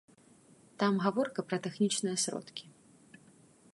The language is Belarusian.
Там гаворка пра тэхнічныя сродкі.